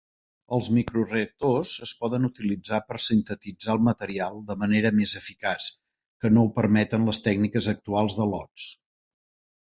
Els microreactors es poden utilitzar per sintetitzar el material de manera més eficaç que no ho permeten les tècniques actuals de lots.